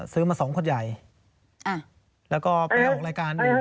ซื้อมาสองคนใหญ่แล้วก็ไปออกรายการ